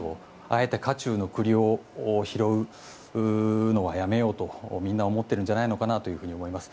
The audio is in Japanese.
あえて火中の栗を拾うのはやめようとみんな思っているんじゃないのかなと思います。